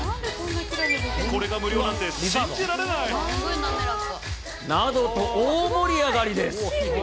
これが無料なんて信じられない。などと大盛り上がりです。